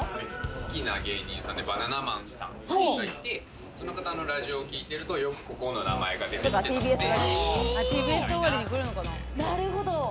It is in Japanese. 好きな芸人さんでバナナマンさんがいて、その方のラジオを聞いてると、よくここの名前が出てきてたので、一度はきたいなと。